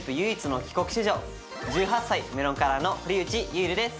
１８歳メロンカラーの堀内結流です